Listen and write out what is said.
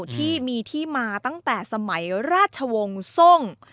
ที่มีที่มาตั้งแต่สมัยราชวงศ์ทรง